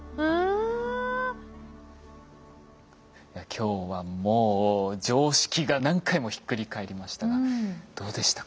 今日はもう常識が何回もひっくり返りましたがどうでした？